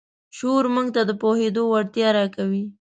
شعور موږ ته د پوهېدو وړتیا راکوي.